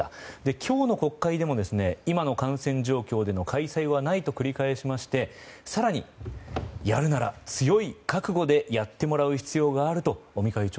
今日の国会でも今の感染状況での開催はないと繰り返しまして更に、やるなら強い覚悟でやってもらう必要があると尾身会長